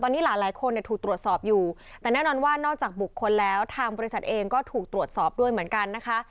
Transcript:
ตอนนี้หลานหลายคนเนี่ยถูกตรวจสอบอยู่แต่แน่นอนว่านอกจากบุคคลแล้วทางบริษัทเองก็ถูกตรวจสอบด้วยเหมือนกันนะคะ